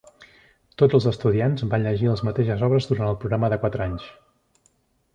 Tots els estudiants van llegir les mateixes obres durant el programa de quatre anys.